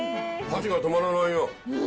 箸が止まらないよ。